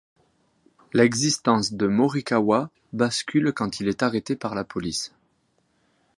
L'existence de Morikawa bascule quand il est arrêté par la police.